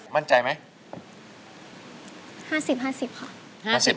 มั่นใจไหม